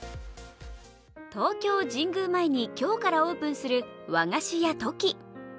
東京・神宮前に今日からオープンする和菓子屋とき。